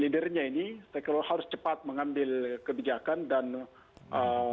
leadernya ini saya kira harus cepat mengambil kebijakan dan ee